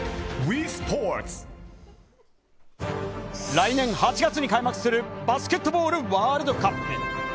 来年８月に開幕するバスケットボールワールドカップ。